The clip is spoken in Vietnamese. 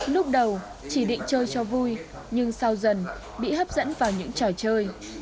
lúc đầu chỉ định chơi cho vui nhưng sau dần bị hấp dẫn vào những trò chơi